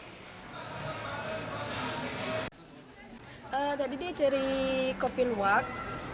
tadi dia cari kopi luwak